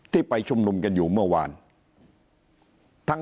ไปชุมนุมกันอยู่เมื่อวาน